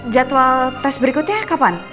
jadwal tes berikutnya kapan